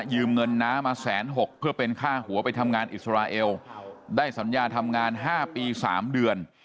เงินน้ามาแสนหกเพื่อเป็นค่าหัวไปทำงานอิสราเอลได้สัญญาทำงาน๕ปี๓เดือน